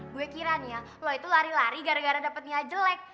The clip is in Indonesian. gue kira nih ya lo itu lari lari gara gara dapatnya jelek